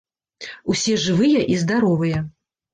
Усе жывыя і здаровыя.